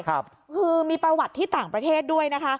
คือมีประวัติที่ต่างประเทศด้วยนะคะ